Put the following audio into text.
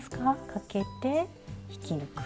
かけて引き抜く。